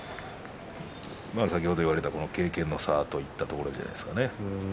先ほど言われた経験の差といったところですかね。